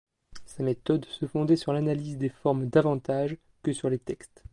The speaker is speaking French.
Sa méthode se fondait sur l'analyse des formes davantage que sur les textes.